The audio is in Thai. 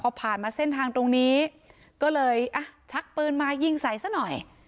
พอผ่านมาเส้นทางตรงนี้ก็เลยอ่ะชักปืนมายิงใส่ซะหน่อย